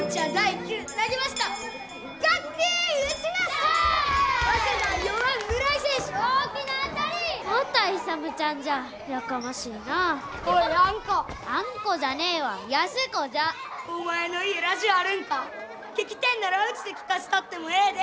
聴きてえんならうちで聴かせたってもええで。